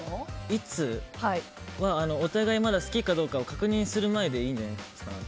いつは、お互い好きかどうかを確認する前でいいんじゃないですか。